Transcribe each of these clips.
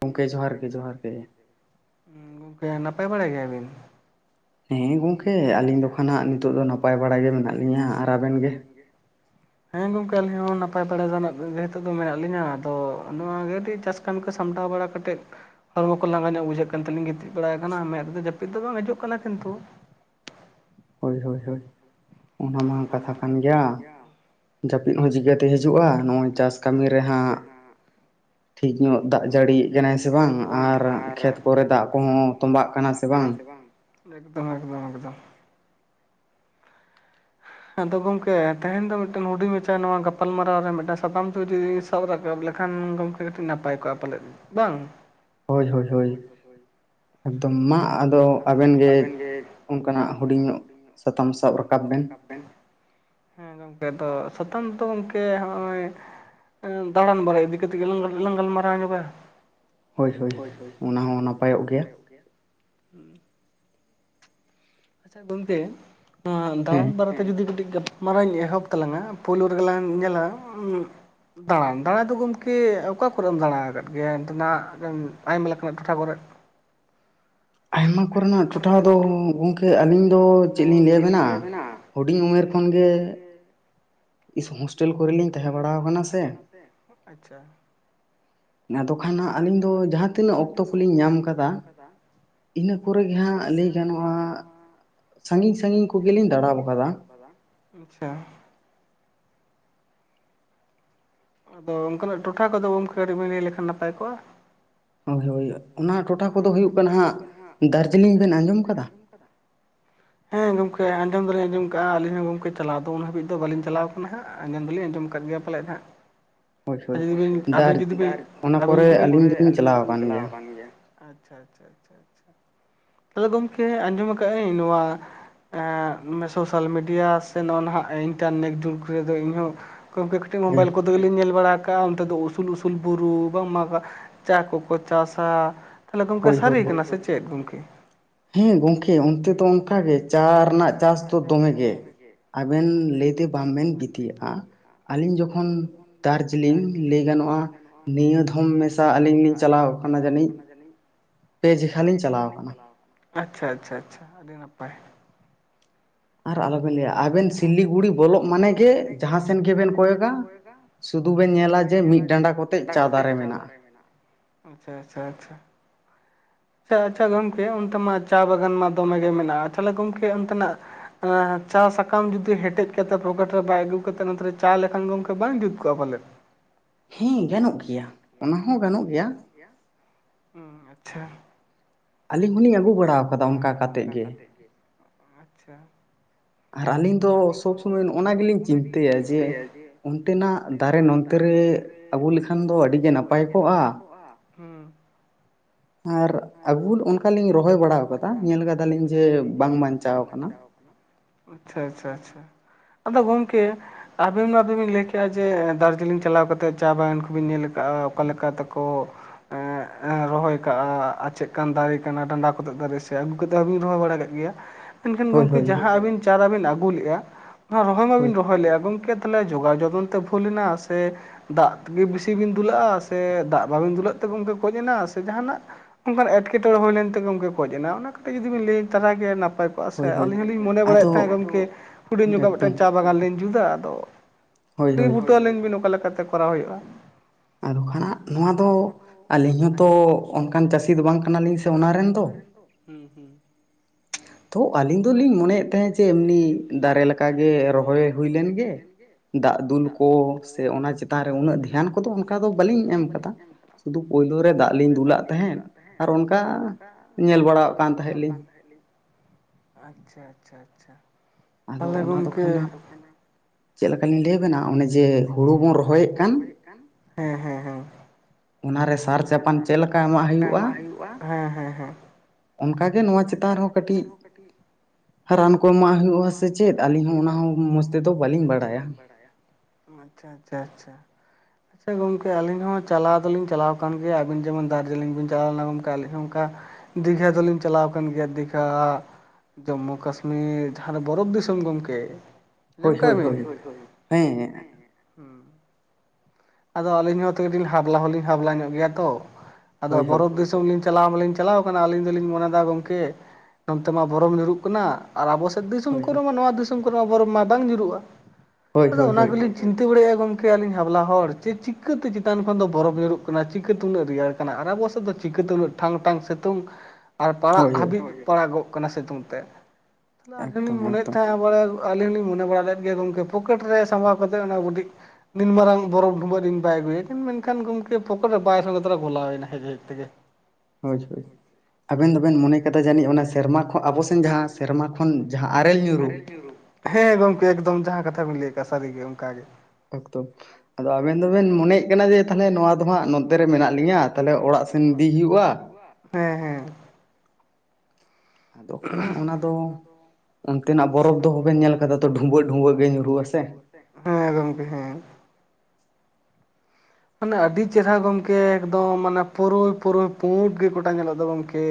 ᱜᱚᱢᱠᱮ ᱡᱚᱦᱟᱨ ᱜᱮ ᱡᱚᱦᱟᱨ ᱜᱮ ᱜᱚᱝᱠᱮ ᱱᱟᱯᱟᱭ ᱵᱟᱲᱟᱭ ᱜᱮᱭᱟ ᱵᱤᱱ ᱦᱮᱸ ᱜᱚᱝᱠᱮ ᱟᱹᱞᱤᱧ ᱫᱚ ᱠᱷᱚᱱᱟᱜ ᱱᱤᱛᱚᱜ ᱫᱚ ᱱᱟᱯᱟᱭ ᱵᱟᱲᱟ ᱜᱮ ᱢᱮᱱᱟᱜ ᱞᱤᱧᱟᱹ ᱟᱨ ᱟᱵᱮᱱ ᱜᱮ [inaudible] ᱦᱮᱸ ᱜᱚᱝᱠᱮ ᱟᱹᱞᱤᱧ ᱦᱚᱸ ᱱᱟᱯᱟᱭ ᱵᱟᱲᱟ ᱜᱮ ᱱᱤᱛᱚᱜ ᱫᱚ ᱢᱮᱱᱟᱜ ᱞᱤᱧᱟ ᱟᱫᱚ ᱱᱚᱣᱟ ᱜᱮ ᱟᱹᱰᱤ ᱪᱟᱥ ᱠᱟᱹᱢᱤ ᱥᱟᱢᱴᱟᱣ ᱵᱟᱲᱟ ᱠᱟᱛᱮᱫ ᱦᱚᱲᱢᱚ ᱠᱚ ᱞᱟᱸᱜᱟ ᱧᱚᱜ ᱵᱩᱡᱷᱟᱹᱜ ᱠᱟᱱ ᱛᱮᱞᱤᱧ ᱜᱤᱛᱤᱡ ᱵᱟᱲᱟᱭ ᱠᱟᱱᱟ ᱢᱮᱫ ᱛᱮᱫᱚ ᱡᱟᱹᱯᱤᱫ ᱫᱚ ᱵᱟᱝ ᱦᱤᱡᱩᱜ ᱠᱟᱱᱟ ᱠᱤᱱᱛᱩ ᱦᱳᱭ ᱦᱳᱭ ᱚᱱᱟ ᱢᱟ ᱠᱟᱛᱷᱟ ᱠᱟᱱ ᱜᱮᱭᱟ ᱡᱟᱹᱯᱤᱫ ᱦᱚᱸ ᱪᱤᱠᱟᱹᱛᱮ ᱦᱤᱡᱩᱜᱼᱟ ᱱᱚᱜᱼᱚᱭ ᱪᱟᱥ ᱠᱟᱹᱢᱤ ᱨᱮᱦᱟᱸᱜ ᱴᱷᱤᱠ ᱧᱚᱜ ᱫᱟᱜ ᱡᱟᱹᱲᱤᱭᱮᱫ ᱠᱟᱱᱟᱭ ᱥᱮ ᱵᱟᱝ ᱟᱨ ᱠᱷᱮᱛ ᱠᱚᱨᱮ ᱫᱟᱜ ᱠᱚᱦᱚᱸ ᱛᱚᱸᱵᱟᱜ ᱠᱟᱱᱟ ᱥᱮ ᱵᱟᱝ ᱮᱠᱫᱚᱢ ᱮᱠᱫᱚᱢ ᱮᱠᱫᱚᱢ ᱟᱫᱚ ᱜᱚᱢᱠᱮ ᱛᱮᱦᱮᱧ ᱫᱚ ᱢᱤᱫᱴᱮᱱ ᱦᱩᱰᱤᱧ ᱢᱟᱪᱷᱟ ᱱᱚᱣᱟ ᱜᱟᱯᱟᱞᱢᱟᱨᱟᱣ ᱨᱮ ᱢᱤᱫᱴᱟᱝ ᱥᱟᱛᱟᱢ ᱡᱩᱫᱤ ᱥᱟᱵ ᱨᱟᱠᱟᱵ ᱞᱮᱠᱷᱟᱱ ᱜᱚᱢᱠᱮ ᱠᱟᱹᱴᱤᱡ ᱱᱟᱯᱟᱭ ᱠᱚᱜᱼᱟ ᱯᱟᱞᱮ ᱵᱟᱝ ᱦᱳᱭ ᱦᱳᱭ ᱦᱳᱭ ᱮᱠᱫᱚᱢ ᱢᱟ ᱟᱫᱚ ᱟᱵᱤᱱ ᱜᱮ ᱚᱱᱠᱟᱱᱟᱜ ᱦᱩᱰᱤᱧ ᱧᱚᱜ ᱥᱟᱛᱟᱢ ᱥᱟᱵ ᱨᱟᱠᱟᱵ ᱵᱮᱱ ᱦᱮᱸ ᱜᱚᱢᱠᱮ ᱛᱚ ᱥᱟᱛᱟᱢ ᱫᱚ ᱜᱚᱢᱠᱮ ᱱᱚᱜᱼᱚᱭ ᱫᱟᱲᱟᱱ ᱵᱟᱨᱟᱭ ᱤᱫᱤ ᱠᱟᱛᱮ ᱜᱮᱞᱟᱝ ᱜᱟᱞ ᱢᱟᱨᱟᱣ ᱧᱚᱜᱟ ᱦᱳᱭ ᱦᱳᱭ ᱚᱱᱟ ᱦᱚᱸ ᱱᱟᱯᱟᱭᱚᱜ ᱜᱮᱭᱟ ᱦᱩᱸ ᱟᱪᱪᱷᱟ ᱜᱚᱝᱠᱮ ᱫᱟᱬᱟᱱ ᱡᱩᱫᱤ ᱠᱟᱹᱴᱤᱡ ᱜᱟᱞᱢᱟᱨᱟᱣ ᱤᱧ ᱮᱦᱚᱵ ᱛᱟᱞᱟᱝᱟ ᱯᱳᱭᱞᱳ ᱨᱮ ᱜᱮᱞᱟᱝ ᱧᱮᱞᱟ ᱫᱟᱬᱟᱱ ᱫᱟᱬᱟ ᱫᱚ ᱜᱚᱢᱠᱮ ᱚᱠᱟ ᱠᱚᱨᱮᱢ ᱫᱟᱬᱟ ᱟᱠᱟᱫ ᱜᱮᱭᱟ ᱚᱱᱛᱮᱱᱟᱜ ᱟᱭᱢᱟ ᱞᱮᱠᱟᱱᱟᱜ ᱴᱚᱴᱷᱟ ᱠᱚᱨᱮᱫ ᱟᱭᱢᱟ ᱠᱚᱨᱮᱱᱟᱜ ᱴᱚᱴᱷᱟ ᱫᱚ ᱜᱚᱢᱠᱮ ᱟᱹᱞᱤᱧ ᱫᱚ ᱪᱮᱫ ᱞᱤᱧ ᱞᱟᱹᱭᱟᱵᱮᱱᱟ ᱦᱩᱰᱤᱧ ᱩᱢᱮᱨ ᱠᱷᱚᱱᱜᱮ [inaudible] ᱦᱳᱥᱴᱮᱞ ᱠᱚᱨᱮ ᱞᱤᱧ ᱛᱟᱦᱮᱸ ᱵᱟᱲᱟ ᱠᱟᱱᱟ ᱥᱮ ᱟᱪᱪᱷᱟ ᱟᱫᱚ ᱠᱷᱟᱱ ᱦᱟᱸᱜ ᱟᱹᱞᱤᱧ ᱫᱚ ᱡᱟᱦᱟᱸ ᱛᱤᱱᱟᱹᱜ ᱚᱠᱛᱚ ᱠᱚᱞᱤᱧ ᱧᱟᱢ ᱟᱠᱟᱫᱟ ᱤᱱᱟᱹ ᱯᱚᱨᱮᱜᱮ ᱦᱟᱸᱜ ᱞᱟᱹᱭ ᱜᱟᱱᱚᱜᱼᱟ ᱥᱟᱺᱜᱤᱧ ᱥᱟᱺᱜᱤᱧ ᱠᱚᱜᱮᱞᱤᱧ ᱫᱟᱬᱟ ᱟᱠᱟᱫᱟ ᱟᱪᱪᱷᱟ ᱟᱫᱚ ᱚᱱᱠᱟᱱᱟᱜ ᱴᱚᱴᱷᱟ ᱠᱚᱫᱚ ᱜᱚᱢᱠᱮ ᱠᱟᱹᱴᱤᱡ ᱮᱢ ᱞᱟᱹᱭ ᱞᱮᱠᱷᱟᱱ ᱱᱟᱯᱟᱭ ᱠᱚᱜᱼᱟ ᱦᱳᱭ ᱦᱳᱭ ᱚᱱᱟ ᱴᱚᱴᱷᱟ ᱠᱚᱫᱚ ᱦᱩᱭᱩᱜ ᱠᱟᱱᱟ ᱦᱟᱸᱜ ᱫᱟᱨᱡᱤᱞᱤᱝ ᱵᱮᱱ ᱟᱸᱡᱚᱢ ᱟᱠᱟᱫᱟ [inaudible] ᱦᱮᱸ ᱜᱚᱢᱠᱮ ᱟᱸᱡᱚᱢ ᱫᱚᱞᱤᱧ ᱟᱸᱡᱚᱢ ᱠᱟᱜᱼᱟ ᱾ ᱟᱹᱞᱤᱧ ᱦᱚᱸ ᱜᱚᱢᱠᱮ ᱪᱟᱞᱟᱣ ᱫᱚ ᱩᱱ ᱦᱟᱹᱵᱤᱡ ᱫᱚ ᱵᱟᱹᱞᱤᱧ ᱪᱟᱞᱟᱣ ᱠᱟᱱᱟ ᱦᱟᱸᱜ ᱟᱸᱡᱚᱢ ᱫᱚᱞᱤᱧ ᱟᱸᱡᱚᱢ ᱟᱠᱟᱫ ᱜᱮᱭᱟ ᱯᱟᱞᱮᱫ ᱦᱟᱸᱜ [inaudible] ᱡᱩᱫᱤ ᱵᱮ ᱟᱵᱮᱱ ᱡᱩᱫᱤ ᱵᱮ ᱟᱵᱮᱱ ᱡᱩᱫᱤ ᱚᱱᱟ ᱯᱚᱨᱮ ᱟᱹᱞᱤᱧ ᱦᱚᱞᱤᱧ ᱪᱟᱞᱟᱣ ᱟᱠᱟᱱ ᱜᱮᱭᱟ ᱾ ᱟᱪᱪᱷᱟ, ᱪᱪᱷᱟ, ᱪᱪᱷᱟ, ᱛᱟᱦᱚᱞᱮ ᱜᱚᱢᱠᱮ ᱟᱸᱡᱚᱢ ᱠᱟᱜ ᱟᱹᱧ ᱱᱚᱣᱟ ᱾ ᱮᱸ ᱥᱳᱥᱟᱞ ᱢᱤᱰᱤᱭᱟ ᱥᱮ ᱱᱚᱜᱼᱚᱭ ᱱᱟᱦᱟᱜ ᱤᱱᱴᱟᱨᱱᱮᱴ ᱫᱩᱜᱽ ᱨᱮᱫᱚ ᱤᱧ ᱦᱚᱸ ᱾ ᱜᱚᱝᱠᱮ ᱠᱟᱹᱴᱤᱡ ᱢᱳᱵᱟᱭᱤᱞ ᱠᱚ ᱚᱱᱛᱮ ᱜᱮᱞᱤᱧ ᱧᱮᱞ ᱵᱟᱲᱟ ᱟᱠᱟᱜᱼᱟ ᱚᱱᱛᱮ ᱫᱚ ᱩᱥᱩᱞ ᱩᱥᱩᱞ ᱵᱩᱨᱩ ᱵᱟᱝᱢᱟ ᱪᱟ ᱠᱚᱠᱚ ᱪᱟᱥ ᱟ ᱾ ᱛᱟᱦᱚᱞᱮ ᱜᱚᱢᱠᱮ ᱥᱟᱹᱨᱤ ᱠᱟᱱᱟ ᱥᱮ ᱪᱮᱫ ᱜᱚᱝᱠᱮ? ᱦᱮᱸ ᱜᱚᱢᱠᱮ ᱚᱱᱛᱮ ᱫᱚ ᱚᱱᱠᱟᱜ ᱜᱮ ᱪᱟ ᱨᱮᱱᱟᱜ ᱪᱟᱥ ᱫᱚ ᱫᱚᱢᱮ ᱜᱮ, ᱟᱵᱮᱱ ᱞᱟᱹᱭᱛᱮ ᱵᱟᱝᱵᱮᱱ ᱯᱟᱹᱛᱭᱟᱹᱜᱼᱟ ᱟᱹᱞᱤᱧ ᱡᱚᱠᱷᱚᱱ ᱫᱟᱨᱡᱤᱞᱤᱝ ᱞᱟᱹᱭ ᱜᱟᱱᱚᱜᱼᱟ ᱾ ᱱᱤᱭᱟᱹ ᱫᱷᱚᱢ ᱢᱮᱥᱟ ᱟᱹᱞᱤᱧ ᱞᱤᱧ ᱪᱟᱞᱟᱣ ᱟᱠᱟᱱᱟ ᱡᱟᱹᱱᱤᱡ ᱯᱮ ᱡᱜᱷᱟ ᱞᱤᱧ ᱪᱟᱞᱟᱣ ᱟᱠᱟᱱᱟ ᱾ ᱟᱪᱪᱷᱟ ᱟᱪᱪᱷᱟ ᱟᱪᱪᱷᱟ ᱟᱹᱰᱤ ᱱᱟᱯᱟᱭ ᱾ ᱟᱨ ᱟᱞᱚᱵᱮᱱ ᱞᱟᱹᱭᱟ ᱟᱵᱮᱱ ᱥᱤᱞᱤᱜᱩᱲᱤ ᱵᱚᱞᱚᱜ ᱢᱟᱱᱮᱜ ᱜᱮ ᱡᱟᱦᱟᱸ ᱥᱮᱱ ᱜᱮᱵᱮᱱ ᱠᱚᱭᱚᱜᱟ ᱥᱩᱫᱷᱩ ᱵᱮᱱ ᱧᱮᱞᱟ ᱡᱮ ᱢᱤᱫ ᱰᱟᱸᱰᱟ ᱠᱚᱛᱮᱮᱫ ᱪᱟ ᱫᱟᱨᱮ ᱢᱮᱱᱟᱜᱼᱟ ᱾ ᱟᱪᱪᱷᱟ ᱟᱪᱪᱷᱟ ᱟᱪᱪᱷᱟ ᱟᱪᱪᱷᱟ ᱟᱪᱪᱷᱟ ᱜᱚᱢᱠᱮ ᱚᱱᱛᱮ ᱢᱟ ᱪᱟ ᱵᱟᱜᱟᱱ ᱢᱟ ᱫᱚᱢᱮ ᱜᱮ ᱢᱮᱱᱟᱜᱼᱟ ᱛᱟᱦᱚᱞᱮ ᱜᱚᱢᱠᱮ ᱚᱱᱛᱮᱱᱟᱜ ᱪᱟ ᱥᱟᱠᱟᱢ ᱡᱩᱫᱤ ᱦᱮᱴᱮᱡ ᱠᱟᱛᱮ ᱯᱚᱠᱮᱴ ᱨᱮ ᱵᱟᱭ ᱟᱹᱜᱩ ᱠᱟᱛᱮᱫ ᱱᱚᱛᱨᱮ ᱪᱟ ᱞᱮᱠᱷᱟᱱ ᱜᱚᱢᱠᱮ ᱵᱟᱝ ᱡᱩᱛ ᱠᱚᱜᱼᱟ ᱯᱟᱞᱮᱫ, ᱦᱮᱸ ᱜᱟᱱᱚᱜ ᱜᱮᱭᱟ ᱾ ᱚᱱᱟ ᱦᱚᱸ ᱜᱟᱱᱚᱜ ᱜᱮᱭᱟ ᱾ ᱦᱩᱸ ᱟᱪᱪᱷᱟ ᱟᱹᱞᱤᱧ ᱦᱚᱸᱞᱤᱧ ᱟᱹᱜᱩ ᱵᱟᱲᱟᱣ ᱠᱟᱫᱟ ᱚᱱᱠᱟ ᱠᱟᱛᱮᱫ ᱜᱮ, ᱟᱪᱪᱷᱟ ᱟᱨ ᱟᱹᱞᱤᱧ ᱫᱚ ᱥᱚᱵᱽ ᱥᱚᱢᱚᱭ ᱱᱚᱜ ᱱᱚᱣᱟ ᱜᱮᱞᱤᱧ ᱪᱤᱱᱛᱟᱹᱭᱟ ᱡᱮ ᱚᱱᱛᱮᱱᱟᱜ ᱚᱱᱛᱮᱱᱟᱜ ᱫᱟᱨᱮ ᱱᱚᱱᱛᱮ ᱨᱮ ᱟᱹᱜᱩ ᱞᱮᱠᱷᱟᱱ ᱫᱚ ᱟᱹᱰᱤ ᱜᱮ ᱱᱟᱯᱟᱭ ᱠᱚᱜᱼᱟ, ᱦᱩᱸ ᱟᱨ ᱟᱹᱜᱩᱨ ᱚᱱᱠᱟᱞᱤᱧ ᱨᱚᱦᱚᱭ ᱵᱟᱲᱟ ᱟᱠᱟᱫᱟ ᱧᱮᱞ ᱠᱟᱫᱟᱞᱤᱧ ᱡᱮ ᱵᱟᱝ ᱵᱟᱧᱪᱟᱣ ᱠᱟᱱᱟ ᱾ ᱟᱪᱪᱷᱟ, ᱪᱪᱷᱟ, ᱪᱪᱷᱟ, ᱟᱫᱚ ᱜᱚᱢᱠᱮ ᱟᱵᱮᱱ ᱟᱫᱚ ᱵᱤᱱ ᱞᱟᱹᱭ ᱠᱮᱜᱼᱟ ᱡᱮ ᱫᱟᱨᱡᱤᱞᱤᱝ ᱪᱟᱞᱟᱣ ᱠᱟᱛᱮᱫ ᱪᱟ ᱵᱟᱜᱟᱱ ᱠᱚᱵᱤᱱ ᱧᱮᱞ ᱠᱟᱜᱼᱟ ᱚᱠᱟ ᱞᱮᱠᱟ ᱛᱟᱠᱚ [inaudible] ᱮ ᱨᱚᱦᱚᱭ ᱠᱟᱜᱼᱟ ᱟᱨ ᱪᱮᱫᱠᱟᱱ ᱫᱟᱨᱮ ᱠᱟᱱᱟ ᱰᱟᱸᱰᱟ ᱠᱚᱛᱮᱜ ᱫᱟᱨᱮ ᱥᱮ ᱟᱹᱜᱩ ᱠᱟᱛᱮᱜ ᱦᱚᱸ ᱵᱤᱱ ᱨᱚᱦᱚᱭ ᱵᱟᱲᱟ ᱠᱟᱜ ᱜᱮᱭᱟ ᱾ ᱢᱮᱱᱠᱷᱟᱱ ᱜᱚᱢᱠᱮ ᱡᱟᱦᱟᱸ ᱟᱵᱤᱱ ᱪᱟᱨᱟ ᱵᱤᱱ ᱟᱹᱜᱩ ᱞᱮᱫᱼᱟ ᱚᱱᱟ ᱨᱚᱦᱚᱭ ᱢᱟᱵᱤᱱ ᱨᱚᱦᱚᱭ ᱞᱮᱼᱟ ᱜᱚᱢᱠᱮ ᱛᱟᱦᱚᱞᱮ ᱡᱚᱜᱟᱣ ᱡᱚᱛᱚᱱ ᱛᱮ ᱵᱷᱩᱞ ᱮᱱᱟ ᱥᱮ ᱫᱟᱜ ᱛᱮᱜᱮ ᱵᱮᱥᱤ ᱵᱤᱱ ᱫᱩᱞᱟᱜᱼᱟ ᱥᱮ ᱫᱟᱜ ᱵᱟᱵᱤᱱ ᱫᱩᱞᱟᱜ ᱛᱮ ᱜᱚᱢᱠᱮ ᱜᱚᱡ ᱮᱱᱟ ᱥᱮ ᱡᱟᱦᱟᱱᱟᱜ ᱚᱱᱠᱟᱱ ᱮᱴᱠᱮᱴᱚᱬᱮ ᱦᱳᱭ ᱞᱮᱱ ᱛᱮᱜᱮ ᱜᱚᱢᱠᱮ ᱜᱚᱡ ᱮᱱᱟ ᱚᱱᱟ ᱠᱟᱹᱴᱤᱡ ᱡᱩᱫᱤ ᱵᱤᱱ ᱞᱟᱹᱭ ᱛᱚᱨᱟ ᱠᱮᱭᱟ ᱱᱟᱯᱟᱭ ᱠᱚ ᱠᱚᱣᱟ ᱥᱮ ᱟᱹᱞᱤᱧ ᱦᱚᱸᱞᱤᱧ ᱢᱚᱱᱮ ᱵᱟᱲᱟᱭᱮᱫ ᱛᱟᱦᱮᱸ ᱜᱚᱢᱠᱮ ᱦᱩᱰᱤᱧ ᱧᱚᱜᱟᱜ ᱢᱤᱫᱴᱟᱝ ᱪᱟ ᱵᱟᱜᱟᱱ ᱞᱤᱧ ᱡᱩᱛᱟ ᱟᱫᱚ ᱞᱟᱹᱭ ᱵᱩᱴᱟᱹ ᱟᱹᱞᱤᱧ ᱵᱤᱱ ᱚᱠᱟ ᱞᱮᱠᱟᱛᱮ ᱠᱚᱨᱟᱣ ᱦᱩᱭᱩᱜᱼᱟ ᱾ ᱟᱫᱚ ᱠᱷᱟᱜ ᱱᱚᱣᱟ ᱫᱚ ᱟᱹᱞᱤᱧ ᱦᱚᱸᱛᱚ ᱚᱱᱠᱟᱱ ᱪᱟᱹᱥᱤ ᱫᱚ ᱵᱟᱝ ᱠᱟᱱᱟᱞᱤᱧ ᱥᱮ ᱚᱱᱟ ᱨᱮᱱ ᱫᱚ ᱦᱩᱸ ᱦᱩᱸ [inaudible] ᱛᱚ ᱟᱹᱞᱤᱧ ᱫᱚᱞᱤᱧ ᱢᱚᱱᱮᱭᱮᱫ ᱛᱟᱦᱮᱸᱫ ᱡᱮ ᱮᱢᱱᱤ ᱫᱟᱨᱮ ᱞᱮᱠᱟᱜᱮ ᱨᱚᱦᱚᱭ ᱦᱩᱭ ᱞᱮᱱᱜᱮ, ᱫᱟᱜ ᱫᱩᱞ ᱠᱚ ᱥᱮ ᱚᱱᱟ ᱪᱮᱛᱟᱱ ᱨᱮ ᱩᱱᱟᱹᱜ ᱫᱷᱮᱭᱟᱱ ᱠᱚᱫᱚ ᱚᱱᱠᱟ ᱫᱚ ᱵᱟᱹᱞᱤᱧ ᱮᱢ ᱠᱟᱫᱟ ᱾ ᱥᱩᱫᱩ ᱯᱳᱭᱞᱳ ᱨᱮ ᱫᱟᱜ ᱞᱤᱧ ᱫᱩᱞᱟᱜ ᱛᱟᱦᱮᱸᱫ ᱟᱨ ᱚᱱ ᱟᱨ ᱚᱱᱠᱟ ᱧᱮᱞ ᱵᱟᱲᱟᱜ ᱠᱟᱱ ᱛᱟᱦᱮᱸᱫ ᱞᱤᱧ ᱾ ᱟᱪᱪᱷᱟ ᱟᱪᱪᱷᱟ ᱟᱪᱪᱷᱟ ᱟᱫᱚ ᱚᱱᱟ ᱫᱚ ᱠᱷᱟᱱᱟᱜ ᱪᱮᱫ ᱞᱮᱠᱟᱞᱤᱧ ᱞᱟᱹᱭ ᱟᱵᱮᱱᱟ ᱚᱱᱮ ᱡᱮ ᱦᱩᱲᱩ ᱵᱚᱱ ᱨᱚᱦᱚᱭᱮᱜ ᱠᱟᱱ ᱠᱟᱱ ᱦᱮᱸ ᱦᱮᱸ ᱦᱮᱸ ᱚᱱᱟᱨᱮ ᱥᱟᱨ ᱪᱟᱯᱟᱱ ᱪᱮᱫ ᱞᱮᱠᱟ ᱮᱢᱟᱜ ᱦᱩᱭᱩᱜ ᱦᱩᱭᱩᱜᱼᱟ ᱾ ᱚᱱᱠᱟᱜᱮ ᱱᱚᱣᱟ ᱪᱮᱛᱟᱱ ᱨᱮᱦᱚᱸ ᱠᱟᱹᱴᱤᱡ ᱨᱟᱱ ᱠᱚ ᱮᱢᱟᱜ ᱦᱩᱭᱩᱜᱼᱟ ᱥᱮ ᱪᱮᱫ ᱟᱹᱞᱤᱧ ᱦᱚᱸ ᱚᱱᱟ ᱦᱚᱸ ᱢᱚᱡᱽ ᱛᱮᱫᱚ ᱵᱟᱞᱤᱧ ᱵᱟᱲᱟᱭᱟ ᱾ ᱟᱪᱪᱷᱟ ᱟᱪᱪᱷᱟ ᱟᱪᱪᱷᱟ ᱥᱮ ᱜᱚᱝᱠᱮ ᱟᱞᱤᱧ ᱦᱚᱸ ᱪᱟᱞᱟᱣ ᱫᱚᱞᱤᱧ ᱪᱟᱞᱟᱣ ᱟᱠᱟᱱ ᱜᱮᱭᱟ ᱟᱵᱤᱱ ᱡᱮᱢᱚᱱ ᱫᱟᱨᱡᱤᱞᱤᱝ ᱵᱤᱱ ᱪᱟᱞᱟᱣ ᱞᱮ ᱜᱚᱢᱠᱮ ᱟᱹᱞᱤᱧ ᱦᱚᱸ ᱚᱱᱠᱟ ᱫᱤᱜᱷᱟ ᱫᱚᱞᱤᱧ ᱪᱟᱞᱟᱣ ᱟᱠᱟᱱ ᱜᱮᱭᱟ ᱫᱤᱜᱷᱟ ᱡᱚᱢᱢᱩ ᱠᱟᱥᱢᱤᱨ ᱡᱟᱦᱟᱸᱨᱮ ᱵᱚᱨᱚᱯᱷ ᱫᱤᱥᱚᱢ ᱜᱚᱢᱠᱮ ᱦᱳᱭ ᱦᱳᱭ ᱦᱳᱭ ᱦᱮᱸ ᱟᱫᱚ ᱟᱹᱞᱤᱧ ᱦᱚᱛᱚᱞᱤᱧ ᱠᱟᱴᱤᱡ ᱦᱟᱵᱽᱞᱟ ᱦᱚᱞᱤᱧ ᱦᱟᱵᱽᱞᱟ ᱧᱚᱜ ᱜᱮᱭᱟ ᱛᱚ ᱟᱫᱚ ᱵᱚᱨᱚᱵ ᱫᱤᱥᱚᱢ ᱞᱤᱧ ᱪᱟᱞᱟᱣ ᱢᱟᱞᱤᱧ ᱪᱟᱞᱟᱣ ᱟᱠᱟᱱᱟ ᱟᱹᱞᱤᱧ ᱫᱚᱞᱤᱧ ᱢᱚᱱᱮᱫᱟ ᱜᱚᱢᱠᱮ ᱱᱚᱱᱛᱮ ᱢᱟ ᱵᱚᱨᱚᱯᱷ ᱧᱩᱨᱩᱜ ᱠᱟᱱᱟ᱾ ᱟᱨ ᱟᱵᱚ ᱥᱮᱫ ᱫᱤᱥᱚᱢ ᱠᱚᱨᱮ ᱢᱟ ᱱᱚᱣᱟ ᱫᱤᱥᱚᱢ ᱠᱚᱨᱮ ᱢᱟ ᱵᱚᱨᱚᱯᱷ ᱢᱟ ᱵᱟᱝ ᱧᱩᱨᱩᱜᱼᱟ ᱟᱫᱚ ᱚᱱᱟ ᱜᱮᱞᱤᱧ ᱪᱤᱱᱛᱟᱹ ᱵᱟᱲᱟᱭᱮᱭᱟ ᱜᱚᱢᱠᱮ ᱟᱹᱞᱤᱧ ᱦᱟᱵᱽᱞᱟ ᱦᱚᱲ ᱪᱮ ᱪᱤᱠᱟᱹᱛᱮ ᱪᱮᱛᱟᱱ ᱠᱷᱚᱱ ᱫᱚ ᱵᱚᱨᱚᱯᱷ ᱧᱩᱨᱩᱜ ᱠᱟᱱᱟ ᱪᱤᱠᱟᱹᱛᱮ ᱩᱱᱟᱹᱜ ᱨᱮᱭᱟᱲ ᱠᱟᱱᱟ ᱟᱨ ᱟᱵᱚ ᱥᱮᱫ ᱫᱚ ᱪᱤᱠᱟᱹᱛᱮ ᱩᱱᱟᱹᱜ ᱴᱷᱟᱝ ᱴᱷᱟᱝ ᱥᱤᱛᱩᱝ [unintelligible] ᱟᱨ ᱯᱟᱲᱟᱜ ᱦᱟᱹᱵᱤᱡ ᱯᱟᱲᱟᱜᱚᱜ ᱠᱟᱱᱟ ᱥᱤᱛᱩᱝ ᱛᱮ ᱛᱟᱦᱞᱮ ᱟᱨᱦᱚ ᱞᱤᱧ ᱢᱚᱱᱮᱭᱮᱫ ᱛᱟᱦᱮᱸ ᱵᱟᱬᱮ ᱟᱹᱞᱤᱧ ᱦᱚᱞᱤᱧ ᱢᱚᱱᱮ ᱵᱟᱲᱟ ᱞᱮᱫ ᱜᱮᱭᱟ ᱜᱚᱝᱠᱮ ᱯᱚᱠᱮᱴ ᱨᱮ ᱥᱟᱢᱵᱟᱣ ᱠᱟᱛᱮᱫ ᱚᱱᱟ ᱠᱟᱴᱤᱡ ᱱᱤᱱ ᱢᱟᱨᱟᱝ ᱵᱚᱨᱚᱯᱷ ᱯᱚᱠᱮᱴ ᱨᱮ ᱵᱟᱭ ᱟᱹᱜᱩᱭᱮᱛ ᱢᱮᱱᱠᱷᱟᱱ ᱜᱚᱢᱠᱮ ᱯᱚᱠᱚᱨ ᱨᱮ ᱵᱟᱭ ᱥᱚᱸᱜᱮ ᱛᱟᱨᱟ ᱜᱚᱞᱟᱣᱮᱱᱟ ᱦᱮᱡ ᱦᱮᱡ ᱛᱮᱜᱮ ᱦᱳᱭ ᱟᱵᱮᱱ ᱫᱚᱵᱮᱱ ᱢᱚᱱᱮ ᱠᱟᱫᱟ ᱡᱟᱱᱤᱡ ᱚᱱᱟ ᱥᱮᱨᱢᱟ ᱠᱷᱚᱱ ᱥᱮᱨᱢᱟ ᱠᱷᱚᱱ ᱟᱵᱚ ᱥᱮᱱ ᱡᱟᱦᱟᱸ ᱥᱮᱨᱢᱟ ᱠᱷᱚᱱ ᱡᱟᱦᱟᱸ ᱟᱨᱮᱞ ᱧᱩᱨᱩ ᱦᱮᱸ ᱜᱚᱝᱠᱮ ᱮᱠᱫᱚᱢ ᱡᱟᱦᱟᱸ ᱠᱟᱛᱷᱟ ᱵᱤᱱ ᱞᱟᱹᱭ ᱟᱠᱟᱜ ᱥᱟᱹᱨᱤᱜᱮ ᱚᱱᱠᱟ ᱜᱮ ᱮᱠᱫᱚᱢ ᱟᱫᱚ ᱟᱵᱮᱱ ᱫᱚᱵᱮᱱ ᱢᱚᱱᱮᱭᱮᱫ ᱠᱟᱱᱟ ᱡᱮ ᱛᱟᱦᱚᱞᱮ ᱱᱚᱣᱟ ᱫᱚ ᱦᱟᱸᱜ ᱱᱚᱛᱮ ᱨᱮ ᱢᱮᱱᱟᱜ ᱞᱤᱧᱟᱹ ᱛᱟᱦᱚᱞᱮ ᱚᱲᱟᱜ ᱥᱮᱱ ᱤᱫᱤ ᱦᱩᱭᱩᱜᱼᱟ᱾ ᱦᱮᱸ ᱦᱮᱸ ᱟᱫᱚ ᱠᱷᱟᱱᱟᱜ ᱚᱱᱟᱫᱚ ᱚᱱᱛᱮᱱᱟᱜ ᱵᱚᱨᱚᱯᱷ ᱫᱚᱦᱚᱵᱮᱱ ᱧᱮᱞ ᱠᱟᱫᱟ ᱛᱚ ᱰᱷᱩᱸᱵᱟᱹᱜ ᱰᱷᱩᱸᱵᱟᱹᱜ ᱜᱮ ᱧᱩᱨᱩᱜᱼᱟ ᱥᱮ ᱦᱮᱸ ᱜᱚᱝᱠᱮ ᱦᱮᱸ ᱢᱟᱱᱮ ᱟᱹᱰᱤ ᱪᱮᱦᱨᱟ ᱜᱚᱝᱠᱮ ᱮᱠᱫᱚᱢ ᱢᱟᱱᱮ ᱯᱩᱨᱩᱭ ᱯᱩᱨᱩᱭ ᱯᱩᱸᱰ ᱜᱮ ᱜᱚᱴᱟ ᱧᱮᱞᱚᱜ ᱫᱚ ᱜᱚᱝᱠᱮ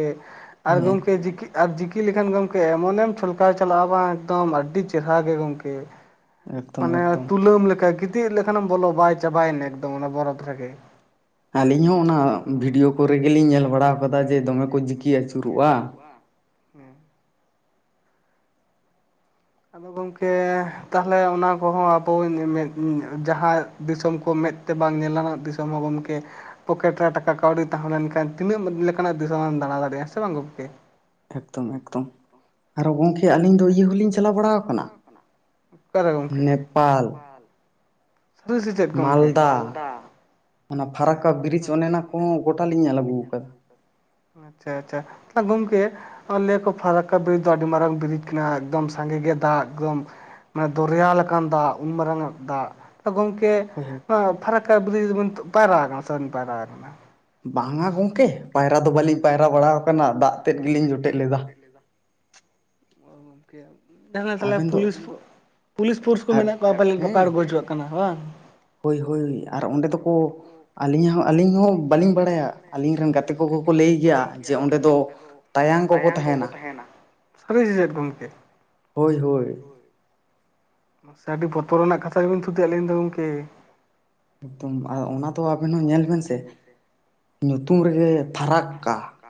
ᱟᱨ ᱜᱚᱝᱠᱮ ᱡᱤᱠᱤᱜ ᱟᱨ ᱡᱤᱠᱤ ᱞᱮᱠᱷᱟᱱ ᱜᱚᱝᱠᱮ ᱮᱢᱚᱱᱮᱢ ᱪᱷᱚᱞᱠᱟᱣ ᱪᱟᱞᱟᱜᱼᱟ ᱵᱟᱝ ᱮᱠᱫᱚᱢ ᱟᱹᱰᱤ ᱪᱮᱨᱦᱟ ᱜᱮ ᱜᱚᱝᱠᱮ᱾ ᱢᱟᱱᱮ ᱛᱩᱞᱟᱹᱢ ᱞᱮᱠᱟ ᱜᱤᱛᱤᱡ ᱞᱮᱠᱷᱟᱱᱮᱢ ᱵᱚᱞᱚ ᱵᱟᱭ ᱪᱟᱵᱟᱭᱮᱱᱟ ᱮᱠᱫᱚᱢ ᱚᱱᱟ ᱵᱚᱨᱚᱯ ᱨᱮᱜᱮ᱾ ᱟᱹᱞᱤᱧ ᱦᱚᱸ ᱚᱱᱟ ᱵᱷᱤᱰᱭᱳ ᱠᱚᱨᱮ ᱜᱮᱞᱤᱧ ᱧᱮᱞ ᱵᱟᱲᱟᱣ ᱠᱟᱫᱟ ᱡᱮ ᱫᱚᱢᱮ ᱠᱚ ᱡᱤᱠᱤ ᱟᱹᱪᱩᱨᱚᱜᱼᱟ᱾ ᱦᱮᱸ ᱟᱫᱚ ᱜᱚᱢᱠᱮ ᱛᱟᱦᱚᱞᱮ ᱚᱱᱟ ᱠᱚᱦᱚᱸ ᱟᱵᱚ ᱡᱟᱦᱟᱸ ᱫᱤᱥᱚᱢ ᱠᱚ ᱢᱮᱸᱫ ᱛᱮ ᱵᱟᱝ ᱧᱮᱞᱟᱱᱟᱜ ᱫᱤᱥᱚᱢ ᱦᱚᱸ ᱜᱚᱝᱠᱮ ᱯᱚᱠᱮᱴ ᱨᱮ ᱴᱟᱠᱟ ᱠᱟᱹᱣᱰᱤ ᱛᱟᱦᱮᱸ ᱞᱮᱱᱠᱷᱟᱱ ᱛᱤᱱᱟᱹᱜ ᱞᱮᱠᱟᱱᱟᱜ ᱫᱤᱥᱚᱢᱮᱢ ᱫᱟᱬᱟ ᱫᱟᱲᱮᱭᱟᱜᱼᱟ ᱦᱮᱥᱮ ᱵᱟᱝ ᱜᱚᱝᱠᱮ᱾ ᱮᱠᱫᱚᱢ ᱮᱠᱫᱚᱢ ᱟᱨᱚ ᱜᱚᱢᱠᱮ ᱟᱹᱞᱤᱧ ᱫᱚ ᱤᱭᱟᱹ ᱦᱚᱞᱤᱧ ᱪᱟᱞᱟᱣ ᱵᱟᱲᱟᱣ ᱠᱟᱱᱟ᱾ ᱱᱮᱯᱟᱞ ᱥᱩᱫᱫᱤ ᱥᱮ ᱪᱮᱫ ᱜᱚᱝᱠᱮ ᱢᱟᱞᱫᱟ ᱚᱱᱟ ᱯᱷᱟᱨᱟᱠᱠᱟ ᱵᱤᱨᱤᱡᱽ ᱚᱱᱮ ᱚᱱᱟ ᱠᱚᱦᱚᱸ ᱜᱚᱴᱟ ᱞᱤᱧ ᱧᱮᱞ ᱟᱹᱜᱩᱣ ᱠᱟᱫᱟ ᱟᱪᱪᱷᱟ ᱟᱪᱪᱷᱟ ᱜᱚᱝᱠᱮ ᱞᱟᱹᱭᱟᱠᱚ ᱯᱷᱟᱨᱟᱠᱠᱟ ᱵᱤᱨᱤᱡᱽ ᱫᱚ ᱟᱹᱰᱤ ᱢᱟᱨᱟᱝ ᱵᱤᱨᱤᱡᱽ ᱠᱟᱱᱟ ᱮᱠᱫᱚᱢ ᱥᱟᱸᱜᱮ ᱜᱮ ᱫᱟᱜ ᱮᱠᱫᱚᱢ ᱢᱟᱱᱮ ᱫᱚᱨᱭᱟ ᱞᱮᱠᱟᱱ ᱫᱟᱜ ᱩᱱ ᱢᱟᱨᱟᱝ ᱟᱜ ᱫᱟᱜ ᱜᱚᱝᱠᱮ ᱯᱷᱟᱨᱠᱠᱟ ᱵᱤᱨᱤᱡᱽ ᱨᱮᱵᱮᱱ ᱯᱟᱭᱨᱟᱣ ᱠᱟᱱᱟ ᱥᱮ ᱵᱟᱵᱮᱱ ᱯᱟᱭᱨᱟᱣ ᱠᱟᱱᱟ᱾ ᱵᱟᱝᱟ ᱜᱚᱝᱠᱮ ᱯᱟᱭᱨᱟ ᱫᱚ ᱵᱟᱞᱤᱧ ᱯᱟᱭᱨᱟ ᱵᱟᱲᱟᱣ ᱟᱴᱠᱟᱱᱟ ᱫᱟᱜ ᱛᱮᱫ ᱜᱮᱞᱤᱧ ᱡᱚᱴᱮᱫ ᱞᱮᱫᱟ ᱚ [inaudible] ᱛᱟᱦᱞᱮ ᱯᱩᱞᱤᱥ ᱯᱩᱞᱤᱥ ᱯᱷᱳᱨᱥ ᱠᱚ ᱢᱮᱱᱟᱜ ᱠᱚᱣᱟ ᱯᱟᱞᱮᱜ ᱵᱟᱠᱚ ᱟᱬᱜᱚ ᱦᱚᱪᱚ ᱣᱟᱜ ᱠᱟᱱᱟ ᱵᱟᱝ᱾ ᱦᱳᱭ ᱦᱳᱭ ᱟᱨ ᱚᱸᱰᱮ ᱫᱚᱠᱚ ᱟᱹᱞᱤᱧ ᱦᱚᱸ ᱟᱹᱞᱤᱧ ᱦᱚᱸ ᱵᱟᱞᱤᱧ ᱵᱟᱲᱟᱭᱟ ᱟᱹᱞᱤᱧ ᱨᱮᱱ ᱜᱟᱛᱮ ᱠᱚᱠᱚ ᱜᱟᱛᱤ ᱠᱚᱠᱚ ᱞᱟᱹᱭ ᱜᱮᱭᱟ ᱡᱮ ᱚᱸᱰᱮ ᱫᱚ ᱛᱟᱭᱟᱝ ᱠᱚᱠᱚ ᱛᱟᱦᱮᱱᱟ ᱥᱟᱨᱤ ᱥᱮ ᱪᱮᱫ ᱜᱚᱝᱠᱮ ᱦᱳᱭ ᱦᱳᱭ ᱢᱟᱥᱮ ᱟᱹᱰᱤ ᱵᱚᱛᱚᱨ ᱨᱟᱱᱟᱜ ᱠᱟᱛᱷᱟ ᱜᱮᱵᱤᱱ ᱛᱷᱩᱛᱤᱭᱟᱫ ᱞᱤᱧ ᱫᱚ ᱜᱚᱝᱠᱮ ᱮᱠᱫᱚᱢ ᱟᱨ ᱚᱱᱟ ᱫᱚ ᱟᱵᱮᱱ ᱦᱚᱸ ᱧᱮᱞ ᱵᱮᱱ ᱥᱮ ᱧᱩᱛᱩᱢ ᱨᱮᱜᱮ ᱯᱷᱟᱨᱟᱠᱠᱟ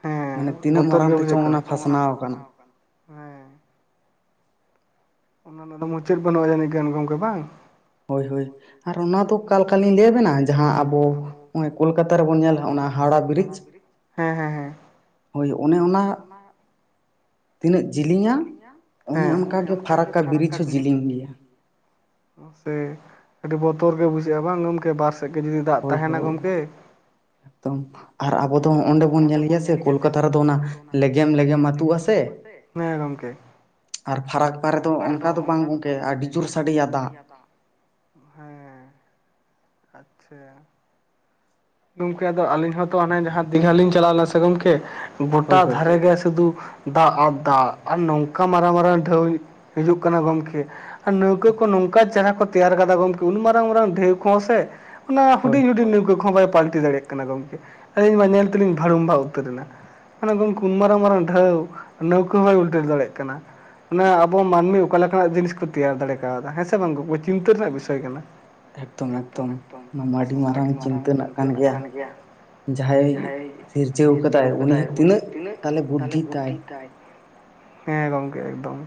ᱦᱮᱸ ᱵᱚᱛᱚᱨ ᱜᱮ ᱵᱩᱡᱷᱟᱹᱜ ᱠᱟᱱᱟ ᱯᱷᱟᱱᱟ ᱦᱮᱸ ᱚᱱᱟ ᱨᱮᱱᱟᱜ ᱫᱚ ᱢᱩᱪᱟᱹᱫ ᱵᱟᱹᱱᱩᱜᱼᱟ ᱡᱟᱹᱱᱤᱡ ᱜᱟᱱ ᱜᱚᱝᱠᱮ ᱵᱟᱝ ᱦᱳᱭ ᱦᱳᱭ ᱟᱨ ᱚᱱᱟ ᱫᱚ ᱚᱠᱟᱞᱮᱠᱟᱞᱤᱧ ᱞᱟᱹᱭᱟᱵᱮᱱᱟ ᱡᱟᱦᱟᱸ ᱟᱵᱚ ᱱᱚᱜᱼᱚᱭ ᱠᱳᱞᱠᱟᱛᱟ ᱨᱮᱵᱚᱱ ᱧᱮᱞᱟ ᱦᱟᱣᱲᱟ ᱵᱨᱤᱡᱽ ᱦᱮᱸ ᱦᱮᱸ ᱦᱮᱸ ᱦᱳᱭ ᱚᱱᱮ ᱚᱱᱟ ᱛᱤᱱᱟᱹᱜ ᱡᱮᱞᱤᱧᱟ ᱚᱱᱮ ᱚᱱᱠᱟᱜᱮ ᱯᱷᱟᱨᱟᱠᱠᱟ ᱵᱨᱤᱡᱽ ᱦᱚᱸ ᱡᱮᱞᱤᱧ ᱜᱮᱭᱟ ᱢᱟᱥᱮ ᱟᱹᱰᱤ ᱵᱚᱛᱚᱨ ᱜᱮ ᱵᱩᱡᱷᱟᱹᱜᱼᱟ ᱵᱟᱝ ᱜᱚᱢᱠᱮ ᱵᱟᱨ ᱥᱮᱫ ᱜᱮ ᱡᱩᱫᱤ ᱫᱟᱜ ᱛᱟᱦᱮᱱᱟ ᱜᱚᱝᱠᱮ ᱮᱠᱫᱚᱢ ᱟᱨ ᱟᱵᱚ ᱫᱚ ᱱᱚᱜᱚᱸᱰᱮ ᱵᱚᱱ ᱧᱮᱞ ᱜᱮᱭᱟ ᱥᱮ ᱠᱳᱞᱠᱟᱛᱟ ᱨᱮᱫᱚ ᱚᱱᱟ ᱞᱮᱜᱮᱢ ᱞᱮᱜᱮᱢ ᱟᱹᱛᱩᱜᱼᱟ ᱥᱮ ᱟᱨ ᱯᱷᱟᱨᱟᱠᱠᱟ ᱨᱮ ᱫᱚ ᱚᱱᱠᱟ ᱫᱚ ᱵᱟᱝ ᱜᱚᱢᱠᱮ ᱟᱹᱰᱤ ᱡᱳᱨ ᱥᱟᱰᱮᱭᱟ ᱫᱟᱜ ᱦᱮᱸ ᱟᱪᱪᱷᱟ ᱜᱚᱝᱠᱮ ᱟᱫᱚ ᱟᱞᱤᱧ ᱦᱚᱸᱛᱚ ᱚᱱᱮ ᱡᱟᱦᱟᱸ ᱫᱤᱜᱷᱟ ᱞᱤᱧ ᱪᱟᱞᱟᱣ ᱞᱮᱱᱟ ᱥᱮ ᱜᱚᱢᱠᱮ ᱜᱚᱴᱟ ᱫᱷᱟᱨᱮ ᱜᱮ ᱥᱩᱫᱩ ᱫᱟᱜ ᱟᱨ ᱫᱟᱜ ᱟᱨ ᱱᱚᱝᱠᱟ ᱢᱟᱨᱟᱝ ᱢᱟᱨᱟᱝ ᱰᱷᱟᱹᱣ ᱦᱤᱡᱩᱜ ᱠᱟᱱᱟ ᱜᱚᱝᱠᱮ ᱟᱨ ᱱᱟᱹᱣᱠᱟᱹ ᱠᱚ ᱱᱚᱝᱠᱟ ᱪᱮᱨᱦᱟ ᱠᱚ ᱛᱮᱭᱟᱨ ᱠᱟᱫᱟ ᱜᱚᱝᱠᱮ ᱩᱱ ᱢᱟᱨᱟᱝ ᱢᱟᱨᱟᱝ ᱰᱷᱮᱣ ᱠᱚᱦᱚᱸ ᱥᱮ ᱚᱱᱟ ᱦᱩᱰᱤᱧ ᱦᱩᱰᱤᱧ ᱱᱟᱹᱣᱠᱟᱹ ᱠᱚᱦᱚᱸ ᱵᱟᱭ ᱯᱟᱞᱴᱤ ᱫᱟᱲᱮᱭᱟᱜ ᱠᱟᱱᱟ ᱜᱚᱝᱠᱮ ᱟᱞᱤᱧ ᱢᱟ ᱧᱮᱞ ᱛᱮᱞᱤᱧ ᱵᱷᱟᱹᱲᱩᱢ ᱵᱷᱟᱜ ᱩᱛᱟᱹᱨᱮᱱᱟ ᱩᱱ ᱢᱟᱨᱟᱝ ᱢᱟᱨᱟᱝ ᱰᱷᱟᱹᱣ ᱱᱟᱹᱣᱠᱟᱹ ᱦᱚᱸ ᱵᱟᱭ ᱩᱞᱴᱟᱹᱣ ᱫᱟᱲᱮᱭᱟᱜ ᱠᱟᱱᱟ ᱚᱱᱟ ᱟᱵᱚ ᱢᱟᱹᱱᱢᱤ ᱚᱠᱟ ᱞᱮᱠᱟᱱᱟᱜ ᱡᱤᱱᱤᱥ ᱠᱚ ᱛᱮᱭᱟᱨ ᱫᱟᱲᱮ ᱠᱟᱣᱫᱟ ᱦᱮᱸᱥᱮ ᱵᱟᱝ ᱜᱚ ᱪᱤᱱᱛᱟᱹ ᱨᱮᱱᱟᱜ ᱵᱤᱥᱚᱭ ᱠᱟᱱᱟ ᱮᱠᱫᱚᱢ ᱮᱠᱫᱚᱢ ᱚᱱᱟ ᱢᱟ ᱟᱹᱰᱤ ᱢᱟᱨᱟᱝ ᱪᱤᱱᱛᱟᱹ ᱨᱮᱱᱟᱜ ᱠᱟᱱ ᱜᱮᱭᱟ ᱡᱟᱦᱟᱸᱭ ᱥᱤᱨᱡᱟᱹᱣ ᱟᱠᱟᱫᱟᱭ ᱩᱱᱤ ᱦᱚᱸ ᱛᱤᱱᱟᱹᱜ ᱛᱟᱞᱮ ᱵᱩᱫᱽᱫᱷᱤ ᱛᱟᱭ ᱦᱮᱸ ᱜᱚᱢᱠᱮ ᱮᱠᱫᱚᱢ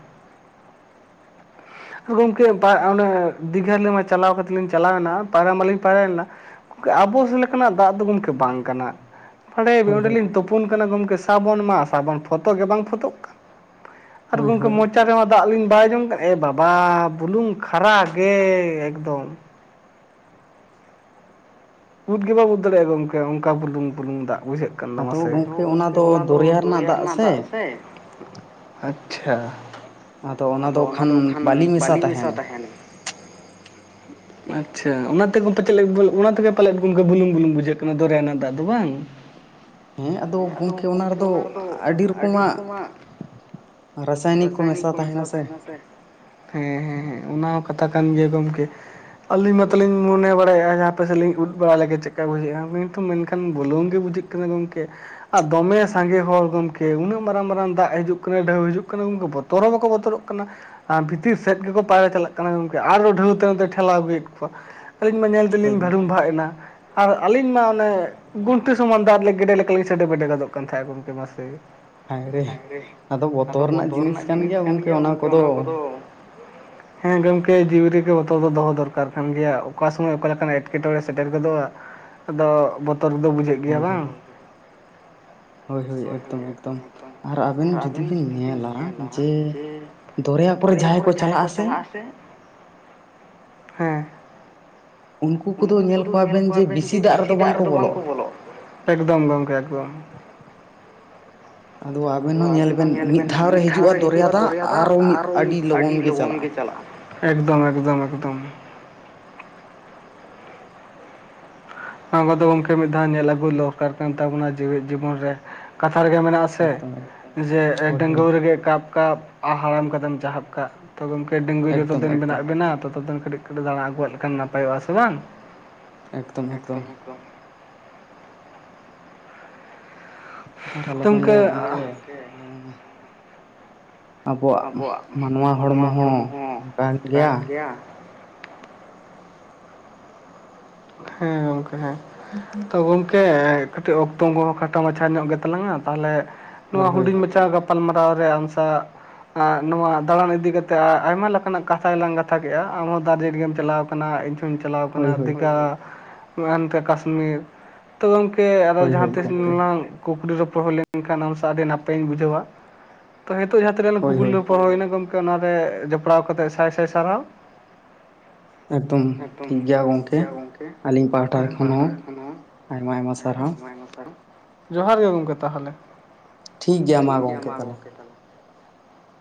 [inaudible] ᱜᱚᱢᱠᱮ ᱚᱱ ᱫᱤᱜᱷᱟ ᱦᱤᱞ ᱪᱟᱞᱟᱣ ᱠᱟᱛᱮᱫ ᱞᱤᱧ ᱪᱟᱞᱟᱣᱱᱟ ᱯᱟᱭᱨᱟ ᱢᱟᱞᱤᱧ ᱯᱟᱭᱨᱱᱟ ᱠᱚ ᱟᱵᱚ ᱥᱮ ᱞᱮᱠᱟᱱᱟᱜ ᱫᱟᱜ ᱫᱚ ᱜᱚᱢᱠᱮ ᱵᱟᱝ ᱠᱟᱱᱟ ᱦᱟᱸᱰᱮ ᱚᱸᱰᱮᱞᱤᱧ ᱛᱩᱯᱩᱱ ᱠᱟᱱᱟ ᱜᱚᱢᱠᱮ ᱥᱟᱵᱚᱱ ᱢᱟ ᱥᱟᱵᱚᱱ ᱯᱷᱚᱛᱚᱜ ᱜᱮ ᱵᱟᱝ ᱯᱷᱚᱛᱜ ᱠᱟᱱᱟ ᱟᱨ ᱜᱚᱝᱠᱮ ᱢᱚᱪᱟ ᱨᱮᱦᱚ ᱫᱟᱜ ᱞᱤᱧ ᱵᱟᱭ ᱡᱚᱝ ᱠᱟᱱᱟ ᱮ ᱵᱟᱵᱟ ᱵᱩᱞᱩᱝ ᱠᱷᱟᱨᱟ ᱜᱮ ᱮᱠᱫᱚᱢ ᱩᱫ ᱜᱮ ᱵᱟᱢ ᱩᱫ ᱫᱟᱲᱮᱭᱟᱜᱼᱟ ᱜᱚᱢᱠᱮ ᱚᱱᱠᱟ ᱵᱩᱞᱝᱼᱵᱩᱞᱝ ᱫᱟᱜ ᱵᱡᱷᱟᱹᱜ ᱠᱟᱱ ᱫᱚ ᱟᱥᱮ ᱟᱫᱚ ᱜᱚᱝᱠᱮ ᱚᱱᱟ ᱫᱚ ᱫᱚᱨᱭᱟ ᱨᱮᱱᱟᱜ ᱫᱟᱜ ᱥᱮ ᱟᱪᱷᱟ ᱟᱫᱚ ᱚᱱᱟ ᱫᱚ ᱠᱷᱟᱱ ᱵᱟᱹᱞᱤᱧ ᱢᱮᱥᱟ ᱛᱟᱦᱮᱱ ᱟᱪᱷᱟ ᱚᱱᱟ ᱛᱮᱜ ᱯᱟᱮ ᱪᱮᱫ ᱚᱱᱟ ᱛᱮᱜᱮ ᱯᱟᱞᱮᱫ ᱚᱢᱠᱟ ᱵᱩᱞᱩᱝ ᱵᱩᱞᱝ ᱵᱩᱡᱷᱟᱹᱜ ᱠᱟᱱᱟ ᱫᱚᱨᱭᱟ ᱨᱮᱱᱟᱜ ᱫᱟᱜ ᱫᱚ ᱵᱟᱝ? ᱦᱮᱸ ᱟᱫᱚ ᱜᱚᱢᱠᱮ ᱚᱱᱟ ᱨᱮᱫᱚ ᱟᱹᱰᱤ ᱨᱚᱠᱚᱢᱟᱜ ᱨᱟᱥᱟᱭᱱᱤᱠ ᱠᱚ ᱢᱮᱥᱟ ᱛᱟᱦᱮᱱᱟ ᱥᱮ ᱦᱮᱸ ᱦᱮᱸ ᱦᱮᱸ ᱚᱱᱟ ᱦᱚᱸ ᱠᱟᱛᱷᱟ ᱠᱟᱱ ᱜᱮᱭᱟ ᱜᱚᱢᱠᱮ ᱟᱹᱞᱤᱧ ᱢᱟᱛᱚᱞᱤᱧ ᱢᱚᱱᱮ ᱵᱟᱲᱟᱭᱮᱫᱼᱟ ᱡᱟᱦᱟᱸ ᱟᱯᱮᱥᱮᱫ ᱞᱤᱧ ᱩᱫ ᱵᱟᱲᱟ ᱞᱮᱜᱮ ᱪᱮᱫᱮᱠᱟ ᱵᱩᱡᱷᱟᱹᱜᱼᱟᱤᱱᱛᱩ ᱢᱮᱱᱠᱷᱟᱱ ᱵᱩᱞᱩᱝ ᱜᱮ ᱵᱩᱡᱷᱟᱹᱜ ᱠᱟᱱᱟ ᱜᱚᱝᱠᱮ ᱟᱨ ᱫᱚᱢᱮ ᱥᱟᱸᱜᱮ ᱦᱚᱲ ᱜᱚᱢᱠᱮ ᱩᱱᱟᱹᱜ ᱢᱟᱨᱟᱝ ᱢᱟᱨᱟᱝ ᱫᱟᱜ ᱦᱤᱡᱩᱜ ᱠᱟᱱᱟ ᱰᱷᱮᱣ ᱦᱤᱡᱩᱜ ᱠᱟᱱᱟ ᱩᱱᱚᱢᱠᱮ ᱵᱚᱛᱚᱨ ᱫᱷᱚᱨᱚᱵᱟᱠᱚ ᱵᱚᱛᱚᱨᱚᱜ ᱠᱟᱱᱟ ᱵᱷᱤᱛᱤᱨ ᱥᱮᱫ ᱜᱮᱠᱚ ᱯᱟᱭᱨᱟ ᱪᱟᱞᱟᱜ ᱠᱟᱱᱟ ᱜᱚᱝᱠᱮ ᱟᱨᱦᱚᱸ ᱰᱷᱟᱹᱣᱟᱹ ᱱᱛᱮ ᱴᱷᱮᱞᱟᱣ ᱟᱹᱜᱩᱭᱮᱫ ᱠᱚᱣᱟ ᱟᱞᱤᱧ ᱢᱟ ᱧᱮᱞ ᱛᱮᱞᱤᱧ ᱵᱷᱲᱢ ᱵᱷᱟᱜ ᱮᱱᱟ ᱟᱨ ᱟᱹᱞᱤᱧ ᱢᱟ ᱚᱱᱮ ᱜᱩᱱᱴᱤ ᱥᱚᱢᱟᱱ ᱫᱟᱜᱞᱮ ᱜᱮᱰᱮ ᱞᱮᱠᱟ ᱞᱤᱧ ᱥᱟᱰᱮ ᱵᱮᱰᱮ ᱜᱚᱫᱚᱜ ᱠᱟᱱ ᱛᱟᱦᱮᱸᱫ ᱜᱚᱢᱠᱮ ᱢᱟᱥᱮ ᱦᱟᱭ ᱨᱮ ᱟᱫᱚ ᱵᱚᱛᱚᱨ ᱨᱮᱱᱟᱜ ᱡᱤᱱᱤᱥ ᱠᱟᱱ ᱜᱮᱭᱟ ᱜᱚᱝᱠᱮ ᱚᱱᱟ ᱠᱚᱫᱚ ᱦᱮᱸ ᱜᱚᱝᱠᱮ ᱡᱤᱣᱤ ᱜᱮ ᱵᱚᱛᱚᱨ ᱫᱚᱦᱚ ᱫᱚᱨᱠᱟᱨ ᱠᱟᱱ ᱜᱮᱭᱟ ᱚᱠᱟ ᱥᱚᱢᱚᱭ ᱚᱠᱟᱮᱠᱱᱟᱜ ᱮᱴᱠᱮᱴᱚᱬᱮ ᱥᱮᱴᱮᱨ ᱜᱚᱫᱚᱜᱼᱟ ᱟᱫᱚ ᱵᱚᱛᱚᱨ ᱫᱚ ᱵᱩᱡᱷᱟᱹᱜ ᱜᱮᱭᱟ ᱵᱟᱝ [inaudible] ᱦᱳᱭ ᱦᱳᱭ ᱮᱠᱫᱚᱢ ᱮᱠᱫᱚᱢ ᱟᱨ ᱟᱵᱮᱱ ᱡᱩᱫᱤ ᱵᱮᱤᱱ ᱧᱮᱞᱟ ᱡᱮ ᱫᱚᱨᱭᱟ ᱠᱚᱨᱮ ᱡᱟᱦᱟᱸᱭ ᱠᱚ ᱪᱟᱞᱟᱜ ᱟᱥ ᱦᱮᱸ ᱩᱱᱠᱩ ᱠᱚᱫᱚ ᱧᱮᱞ ᱠᱚᱣᱟᱵᱮᱱ ᱡᱮ ᱵᱮᱥᱤ ᱫᱟᱜ ᱨᱮᱫᱚ ᱵᱟᱝ ᱠᱚ ᱵᱚᱞᱚᱜᱼᱟ ᱮᱠᱫᱚᱢ ᱜᱚᱝᱠᱮ ᱮᱠᱫᱚᱢ ᱟᱫᱚ ᱟᱵᱮᱱ ᱦᱚᱸ ᱧᱮᱞ ᱵᱮᱱ ᱢᱤᱫ ᱫᱷᱟᱣ ᱨᱮ ᱦᱤᱡᱩᱜᱼᱟ ᱫᱚᱨᱭᱟ ᱫᱟᱜ ᱟᱨᱚ ᱟᱹᱰᱤ ᱞᱚᱜᱚᱱ ᱜᱮ ᱪᱟᱞᱟᱜᱟ ᱮᱠᱫᱚᱢ ᱮᱠᱫᱚᱢ ᱮᱠᱫᱚᱢ ᱟᱵᱚ ᱫᱚ ᱜᱚᱝᱠᱮ ᱢᱤᱫ ᱫᱷᱟᱣ ᱧᱮᱞ ᱟᱹᱜᱩ ᱫᱚᱨᱠᱟᱨ ᱠᱟᱱ ᱛᱟᱵᱚᱱᱟ ᱡᱮᱣᱤᱫ ᱡᱤᱵᱚᱱ ᱨᱮ ᱠᱟᱛᱷᱟ ᱨᱮᱜᱮ ᱢᱮᱱᱟᱜᱼᱟ ᱥᱮ ᱡᱮ ᱰᱟᱸᱜᱶᱟ ᱨᱮᱜᱮ ᱠᱟᱵ ᱠᱟᱵ ᱟᱨ ᱦᱟᱲᱟᱢ ᱠᱟᱛᱮᱢ ᱪᱟᱦᱟᱵ ᱠᱟᱜ ᱛᱚ ᱜᱚᱝᱠᱮ ᱰᱟᱸᱜᱩᱣᱟ ᱡᱚᱛᱚ ᱫᱤᱱ ᱢᱮᱱᱟᱜ ᱵᱮᱱᱟ ᱛᱚᱛᱚ ᱫᱤᱱ ᱠᱟᱹᱴᱤᱡᱽ ᱠᱟᱹᱴᱤᱡᱽ ᱫᱟᱬᱟ ᱟᱹᱜᱩᱣᱟᱜ ᱞᱮᱠᱷᱟᱱ ᱱᱟᱯᱚᱜᱼᱟ ᱥᱮ ᱵᱟᱝ? ᱮᱠᱫᱚᱢ ᱮᱠᱫᱚᱢ ᱟᱨ ᱟᱞᱚᱵᱮᱱ ᱞᱟᱹᱭᱟ ᱜᱚᱝᱠᱮ ᱟᱵᱚᱣᱟᱜ ᱢᱟᱱᱣᱟ ᱦᱚᱲᱢᱚ ᱦᱚᱸ ᱚᱱᱠᱟᱱ ᱜᱮᱭᱟ ᱦᱮᱸ ᱜᱚᱝᱠᱮ ᱦᱮᱸ ᱛᱚ ᱜᱚᱝᱠᱮ ᱠᱟᱹᱴᱤᱡᱽ ᱚᱠᱛᱚ ᱠᱚᱦᱚᱸ ᱠᱷᱟᱴᱚ ᱢᱟᱪᱷᱟ ᱧᱚᱜ ᱜᱮᱛᱟᱞᱟᱝᱟ ᱛᱟᱦᱞᱮ ᱱᱚᱣᱟ ᱦᱩᱰᱤᱧ ᱢᱟᱪᱷᱟ ᱜᱟᱯᱟᱞᱢᱟᱨᱟᱣ ᱨᱮ ᱟᱢᱥᱟᱜ ᱱᱚᱣᱟ ᱫᱟᱬᱟᱱ ᱤᱫᱤ ᱠᱟᱛᱮᱫ ᱟᱭᱢᱟ ᱞᱮᱠᱟᱱᱟᱜ ᱠᱟᱛᱷᱟᱭ ᱞᱟᱝ ᱜᱟᱛᱷᱟ ᱠᱮᱫᱮᱜᱼᱟ ᱟᱢᱦᱚᱸ ᱫᱟᱨᱡᱤᱞᱤᱝ ᱮᱢ ᱪᱟᱞᱟᱣ ᱠᱟᱱᱟ ᱪᱟᱞᱟᱣ ᱟᱠᱟᱱᱟ ᱫᱤᱜᱷᱟ ᱚᱱᱛᱮ ᱠᱟᱥᱢᱤᱨ ᱛᱚ ᱜᱚᱝᱠᱮ ᱟᱨᱚ ᱡᱟᱦᱟᱸ ᱛᱤᱥᱞᱟᱝ ᱠᱩᱠᱞᱤ ᱨᱚᱯᱚᱲᱚ ᱞᱮᱱᱠᱷᱟᱱ ᱟᱢ ᱥᱟᱜ ᱟᱹᱰᱤ ᱱᱟᱯᱟᱭᱤᱧ ᱵᱩᱡᱷᱟᱹᱣᱟ ᱛᱚ ᱱᱤᱛᱚᱜ ᱡᱟᱦᱟᱸ ᱛᱤᱱᱟᱹᱜ ᱞᱟᱸᱝ ᱠᱩᱠᱞᱤ ᱨᱚᱯᱚᱲ ᱦᱩᱭᱱᱟ ᱜᱚᱝᱠᱮ ᱚᱱᱟᱨᱮ ᱡᱚᱯᱲᱟᱣ ᱠᱟᱛᱮᱜ ᱥᱟᱭ ᱥᱟᱭ ᱥᱟᱨᱦᱟᱣ ᱮᱠᱫᱚᱢ ᱴᱷᱤᱠ ᱜᱮᱭᱟ ᱜᱚᱝᱠᱮ ᱥᱮ ᱟᱹᱞᱤᱧ ᱯᱟᱦᱴᱟ ᱠᱷᱚᱱ ᱦᱚᱸ ᱟᱭᱢᱟ ᱟᱭᱢᱟ ᱥᱟᱨᱦᱟᱣ ᱟᱭᱢᱟ ᱥᱟᱨᱦᱟᱣ ᱡᱚᱦᱟᱨ ᱜᱮ ᱜᱚᱝᱠᱮ ᱛᱟᱦᱚᱞᱮ᱾ ᱴᱷᱤᱠ ᱜᱮᱭᱟ ᱢᱟ ᱜᱚᱝᱠᱮ ᱛᱟᱦᱚᱞᱮ